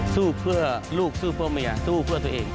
สู้เพื่อลูกสู้เพื่อเมียสู้เพื่อตัวเอง